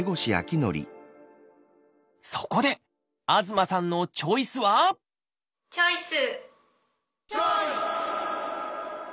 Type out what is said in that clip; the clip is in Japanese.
そこで東さんのチョイスはチョイス！